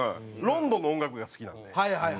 ロンドンの音楽が好きなんで。